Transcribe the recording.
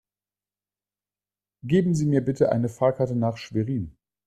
Geben Sie mir bitte die Fahrkarte nach Schwerin